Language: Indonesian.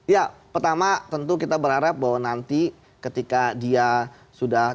ya pertama tentu kita berharap bahwa nanti ketika dia sudah